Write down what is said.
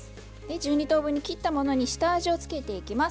１２等分に切ったものに下味を付けていきます。